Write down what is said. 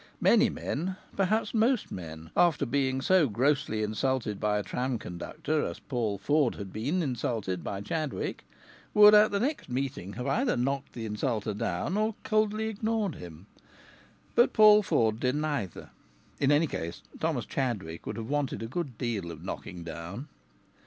Many men perhaps most men after being so grossly insulted by a tram conductor as Paul Ford had been insulted by Chadwick, would at the next meeting have either knocked the insulter down or coldly ignored him. But Paul Ford did neither. (In any case, Thomas Chadwick would have wanted a deal of knocking down.)